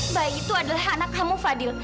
bayi itu adalah anak kamu fadil